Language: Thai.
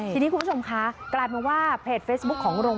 ทีนี้คุณผู้ชมคะกราบมาว่าเพจเฟซบุ๊คของโรงเรียนนะคะ